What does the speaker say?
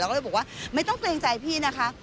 ก็เลยบอกว่าไม่ต้องเกรงใจพี่นะคะ